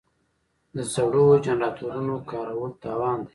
د زړو جنراتورونو کارول تاوان دی.